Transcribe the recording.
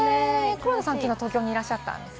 黒田さんは、きのう東京にいらっしゃったんですね。